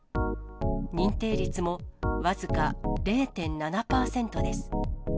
認定率も僅か０．７％です。